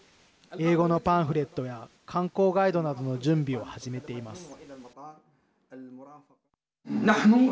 英語のパンフレットや観光ガイドなどの準備を始めています。